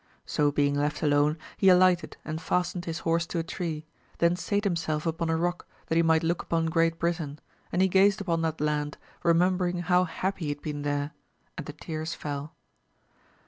So being left alone he alighted and A MA LIS OF GAUL. 199 fastened his horse to a tree, then sate himself upon a rock that he might look upon Great Britain, and he gazed upon that land remembering how happy he had been there, and the tears fell.